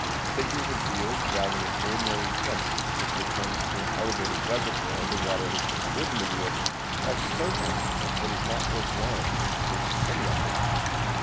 Figures of wheels driving an ordinary pump, which returns to an elevated reservoir the water which has driven the wheel, are so common that it is not worth while to reproduce any of them.